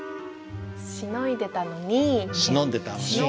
「しのんでたのに」。